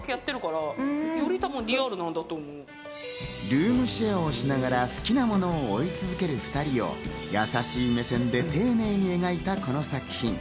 ルームシェアをしながら、好きなものを追い続ける２人をやさしい目線で丁寧に描いたこの作品。